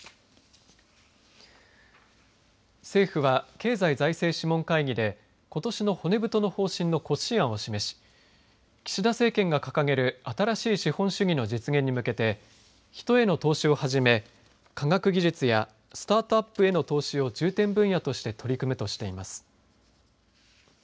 政府は経済財政諮問会議でことしの骨太の方針の骨子案を示し岸田政権が掲げる新しい資本主義の実現に向けて人への投資をはじめ科学技術やスタートアップへの投資を重点分野として取り組むとしています。